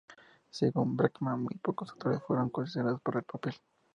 Según Bregman muy pocos actores fueron considerados para el papel.